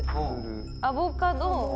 アボカド。